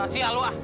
sial lu ah